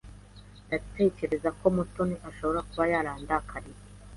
Ndatekereza ko Mutoni ashobora kuba yarandakariye.